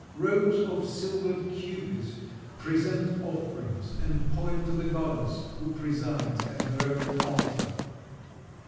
Rows of silvered cupids present offerings, and point to the goddess, who presides at her own altar.